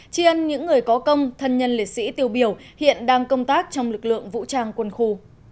chi ân những người có công thân nhân liệt sĩ tiêu biểu hiện đang công tác trong lực lượng vũ trang quân khu